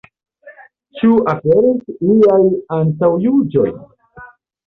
Ĉu aperis iaj antaŭjuĝoj?